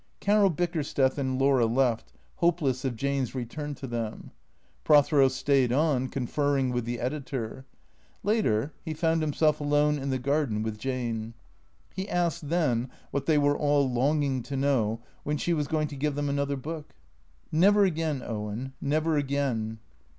Caro Bickersteth and Laura left, hopeless of Jane's return to them. Prothero stayed on, conferring with the editor. Later, he found himself alone in the garden with Jane. He asked then (what they were all longing to know) when she was going to give them another book? " Never again, Owen, never again."